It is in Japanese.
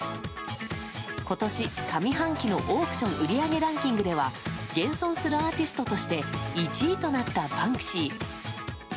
今年上半期のオークション売上ランキングでは現存するアーティストとして１位となったバンクシー。